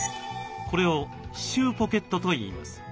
これを「歯周ポケット」といいます。